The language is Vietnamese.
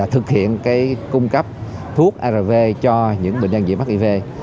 thực hiện cung cấp thuốc arv cho những bệnh nhân dị mắc hiv